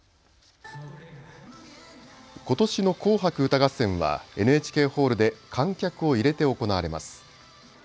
ことしの紅白歌合戦は、ＮＨＫホールで観客を入れて行われます。